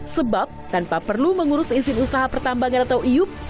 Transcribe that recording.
sebab tanpa perlu mengurus izin usaha pertambangan atau iup